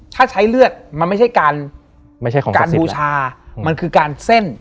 ถ้าใช้เลือดมันไม่ใช่การบูชามันคือการเส้น